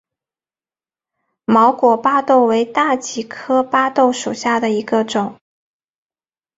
毛果巴豆为大戟科巴豆属下的一个种。